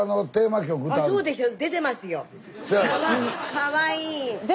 かわいい！